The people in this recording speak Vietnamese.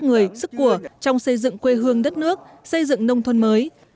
sức người sức của trong xây dựng quê hương đất nước xây dựng nông thuần mới